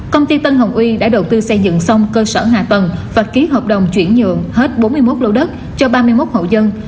công ty tân hồng uy đã đầu tư xây dựng xong cơ sở hạ tầng và ký hợp đồng chuyển nhượng hết bốn mươi một lô đất cho ba mươi một hộ dân